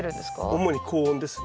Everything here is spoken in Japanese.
主に高温ですね。